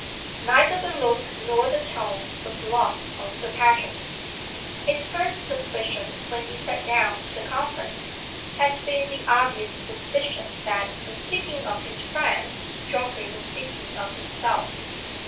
Neither the look nor the tone was lost on Sir Patrick. His first suspicion, when he sat down to the conference, had been the obvious suspicion that, in speaking of "his friend," Geoffrey was speaking of himself.